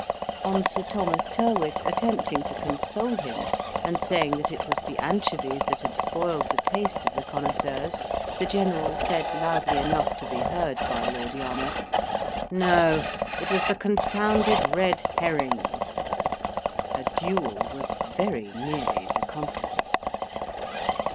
On Sir Thomas Tyrwhitt attempting to console him, and saying that it was the anchovies that had spoiled the taste of the connoisseurs, the general said loudly enough to be heard by Lord Yarmouth, "No; it was the confounded red herrings." A duel was very nearly the consequence.